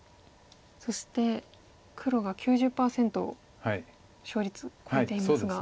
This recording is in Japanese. そして黒が９０％勝率超えていますが。